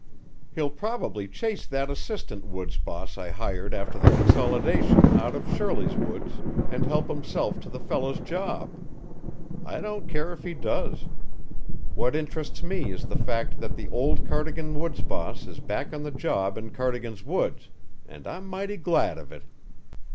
He'll probably chase that assistant woods boss I hired after the consolidation, out of Shirley's woods and help himself to the fellow's job. I don't care if he does. What interests me is the fact that the old Cardigan woods boss is back on the job in Cardigan's woods, and I'm mighty glad of it.